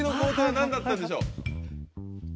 何だったでしょう？